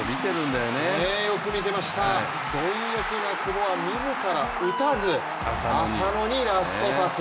貪欲な久保は自ら打たず、浅野にラストパス。